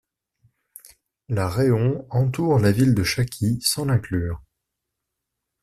Le raion entoure la ville de Shaki sans l'inclure.